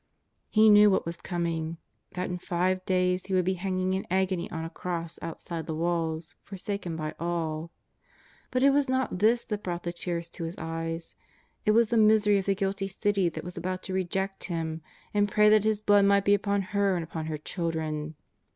'* He knew what was coming — that in five days He would be hanging in agony on a cross outside the walls, forsaken by all. But it was not this that brought the tears to His eyes. It was the misery of the guilty City that was about to reject Him and pray that His Blood might be upon her and upon her children.